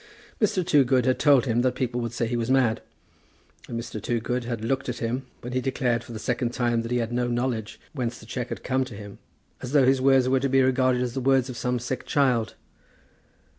Mr. Toogood had told him that people would say that he was mad; and Mr. Toogood had looked at him, when he declared for the second time that he had no knowledge whence the cheque had come to him, as though his words were to be regarded as the words of some sick child.